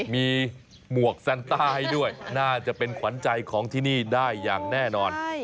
มีหมวกแซนต้าให้ด้วยน่าจะเป็นขวัญใจของที่นี่ได้อย่างแน่นอน